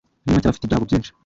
muri make bafite ibyago byinshi